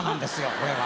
これは。